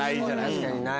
確かにない。